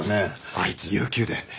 あいつ有休で。